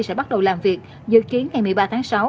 sẽ bắt đầu làm việc dự kiến ngày một mươi ba tháng sáu